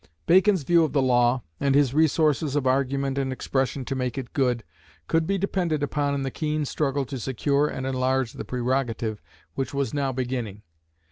Bacon's view of the law, and his resources of argument and expression to make it good, could be depended upon in the keen struggle to secure and enlarge the prerogative which was now beginning.